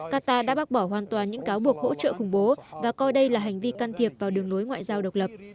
qatar đã bác bỏ hoàn toàn những cáo buộc hỗ trợ khủng bố và coi đây là hành vi can thiệp vào đường lối ngoại giao độc lập